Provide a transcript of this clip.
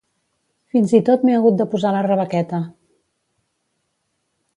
Fins i tot m'he hagut de posar la rebequeta